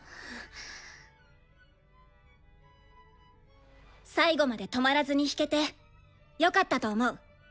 最後まで止まらずに弾けてよかったと思う。